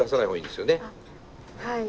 はい。